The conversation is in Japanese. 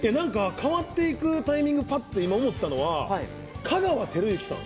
変わっていくタイミングで思ったのは香川照之さん。